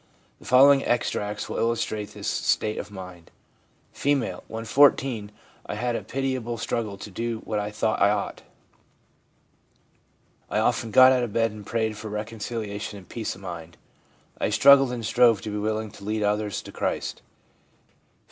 The following extracts w r ill illustrate this state of mind: F. 'When 14 I had a pitiable struggle to do what I thought I ought. I often got out of bed and prayed for reconciliation and peace of mind. I struggled and strove to be willing to lead others to Christ 1 F.